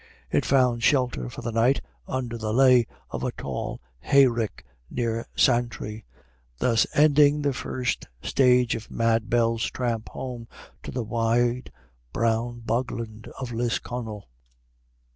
It found shelter for the night under the ley of a tall hayrick near Santry, thus ending the first stage of Mad Bell's tramp home to the wide brown bogland of Lisconnel.